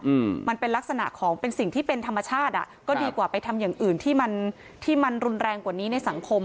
อืมมันเป็นลักษณะของเป็นสิ่งที่เป็นธรรมชาติอ่ะก็ดีกว่าไปทำอย่างอื่นที่มันที่มันรุนแรงกว่านี้ในสังคม